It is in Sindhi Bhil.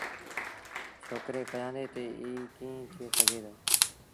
ڇوڪري ڪيآݩدي تا ايٚ ڪيٚݩ ٿئي سگھي دو